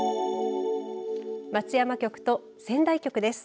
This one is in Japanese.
松山局と仙台局です。